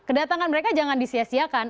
kedatangan mereka jangan disiasiakan